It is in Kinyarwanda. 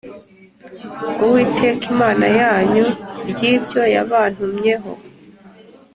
Uwiteka Imana yanyu ry ibyo yabantumyeho